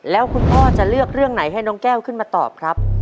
แล้วคุณพ่อจะเลือกเรื่องไหนให้น้องแก้วขึ้นมาตอบครับ